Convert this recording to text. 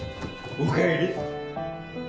おかえり。